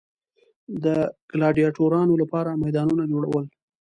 د ګلاډیټورانو لپاره میدانونه جوړول.